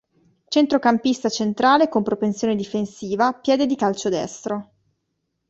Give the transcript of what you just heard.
Centrocampista centrale con propensione difensiva, piede di calcio destro.